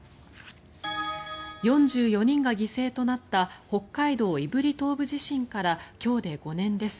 ４４人が犠牲となった北海道胆振東部地震から今日で５年です。